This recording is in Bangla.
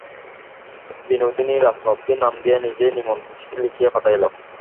বিনোদিনী রাজলক্ষ্মীর নাম দিয়া নিজেই নিমন্ত্রণ-চিঠি লিখিয়া পাঠাইল।